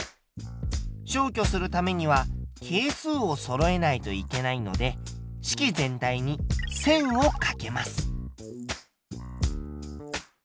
消去するためには係数をそろえないといけないので式全体に１０００をかけます。